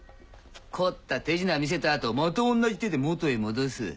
凝った手品を見せた後また同じ手で元へ戻す。